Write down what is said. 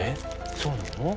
そうなの？